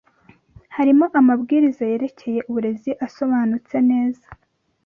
harimo amabwiriza yerekeye uburezi asobanutse neza